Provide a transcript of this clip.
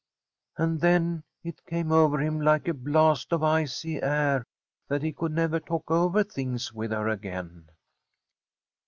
And then it came over him like a blast of icy air that he could never talk over things with her again.